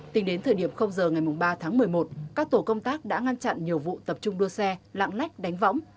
tính đến thời điểm h ngày ba tháng một mươi một các tổ công tác đã ngăn chặn nhiều vụ tập trung đua xe lạng lách đánh võng